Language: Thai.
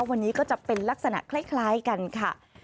วันนี้ก็จะเป็นลักษณะคล้ายกันค่ะ